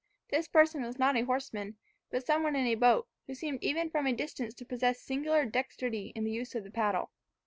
This person was not a horseman, but some one in a boat, who seemed even from a distance to possess singular dexterity in the use of the paddle.